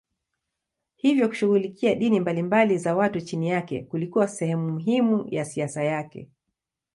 Hivyo kushughulikia dini mbalimbali za watu chini yake kulikuwa sehemu muhimu ya siasa yake.